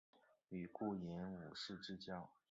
与顾炎武是至交。